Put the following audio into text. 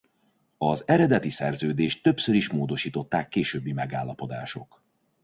Az eredeti szerződést többször is módosították későbbi megállapodások.